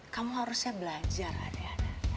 kamu harusnya belajar adriana